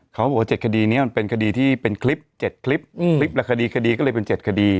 เขาบอกว่า๗คดีนี้มันเป็นคดีที่เป็นคลิป๗คลิปคลิปละคดีคดีก็เลยเป็น๗คดี